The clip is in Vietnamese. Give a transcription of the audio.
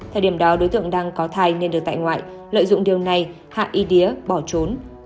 thời điểm đó đối tượng đang có thai nên được tại ngoại lợi dụng điều này hạ y đía bỏ trốn